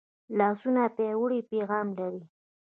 لاسونه پیاوړی پیغام لري